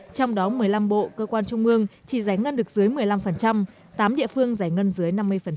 trong đó một mươi năm bộ cơ quan trung ương chỉ giải ngân được dưới một mươi năm tám địa phương giải ngân dưới năm mươi